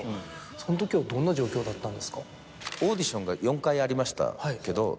その時はどんな状況だったんですか？